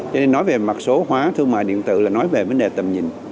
cho nên nói về mặt số hóa thương mại điện tử là nói về vấn đề tầm nhìn